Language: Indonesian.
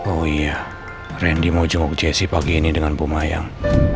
oh iya randy mau jenguk jessy pagi ini dengan pumayang